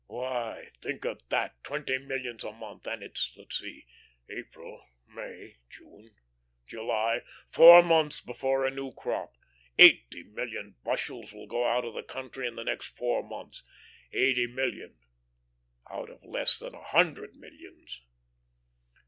"Why, think of that, twenty millions a month, and it's let's see, April, May, June, July four months before a new crop. Eighty million bushels will go out of the country in the next four months eighty million out of less than a hundred millions."